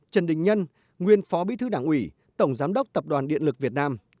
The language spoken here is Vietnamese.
trần đình nhân nguyên phó bí thư đảng ủy tổng giám đốc tập đoàn điện lực việt nam